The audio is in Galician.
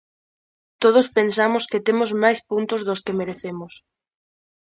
Todos pensamos que temos máis puntos dos que merecemos.